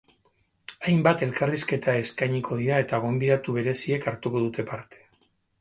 Hainbat elkarrizketa eskainiko dira eta gonbidatu bereziek hartuko dute parte.